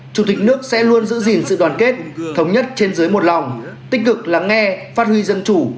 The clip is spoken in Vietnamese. chủ tịch nước sẽ luôn giữ gìn sự đoàn kết thống nhất trên giới một lòng tích cực lắng nghe phát huy dân chủ